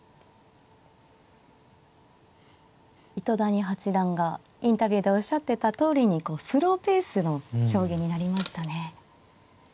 糸谷八段がインタビューでおっしゃってたとおりにスローペースの将棋になりましたね。